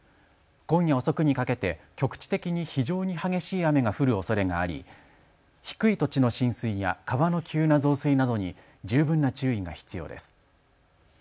今夜遅くにかけて局地的に非常に激しい雨が降るおそれがあり低い土地の浸水や川の急な増水などに十分な注意が必要です。